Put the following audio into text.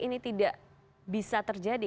ini tidak bisa terjadi